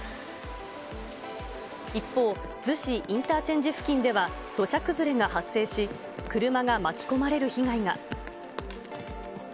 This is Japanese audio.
一方、逗子インターチェンジ付近では、土砂崩れが発生し、車が巻き込まれる被害が。